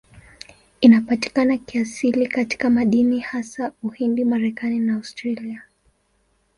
Inapatikana kiasili katika madini, hasa Uhindi, Marekani na Australia.